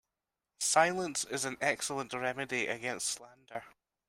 Silence is an excellent remedy against slander.